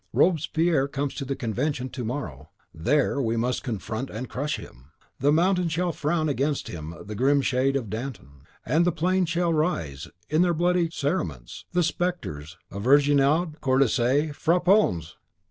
Robespierre comes to the Convention to morrow; THERE we must confront and crush him. From the Mountain shall frown against him the grim shade of Danton, from the Plain shall rise, in their bloody cerements, the spectres of Vergniaud and Condorcet. Frappons!"